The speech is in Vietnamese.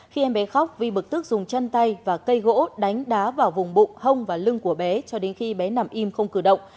khi em bé khóc vi bực tức dùng chân tay và cây gỗ đánh đá vào vùng bụng hông và lưng của bé cho đến khi bé nằm im không cử động